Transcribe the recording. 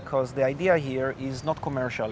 karena ide di sini bukan komersial